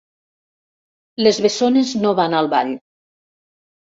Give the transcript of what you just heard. Les bessones no van al ball.